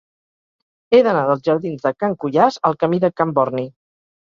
He d'anar dels jardins de Can Cuiàs al camí de Can Borni.